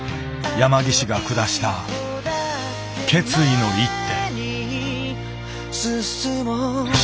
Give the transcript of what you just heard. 山岸が下した決意の一手。